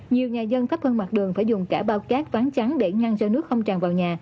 nhiều nhà dân thấp hơn mặt đường phải dùng cả bao cát ván trắng để ngăn cho nước không tràn vào nhà